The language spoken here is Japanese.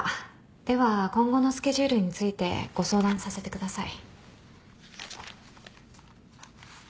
では今後のスケジュールについてご相談させてください。